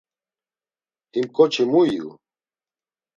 Him ǩoçi mu iyu?